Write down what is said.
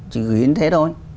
chỉ gửi đến thế thôi